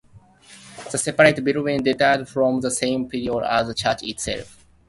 The separate belltower dates from the same period as the church itself.